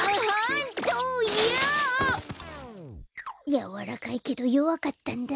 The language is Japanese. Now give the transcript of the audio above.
やわらかいけどよわかったんだ。